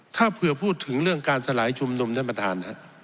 ถ้าเผื่อพูดถึงเรื่องการสลายชุมนุมท่านประธาน